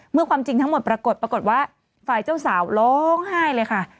ความจริงทั้งหมดปรากฏปรากฏว่าฝ่ายเจ้าสาวร้องไห้เลยค่ะ